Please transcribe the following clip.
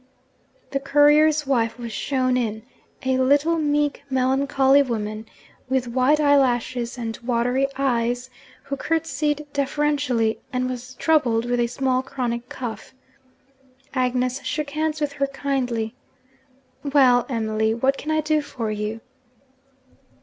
The courier's wife was shown in a little meek melancholy woman, with white eyelashes, and watery eyes, who curtseyed deferentially and was troubled with a small chronic cough. Agnes shook hands with her kindly. 'Well, Emily, what can I do for you?'